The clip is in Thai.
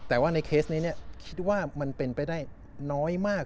แต่ว่าในเคสนี้คิดว่ามันเป็นไปได้น้อยมาก